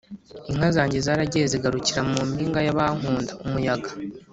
Inka zanjye zaragiye zigarukira mu mpinga y'abankunda-Umuyaga.